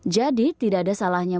jadi tidak ada salahnya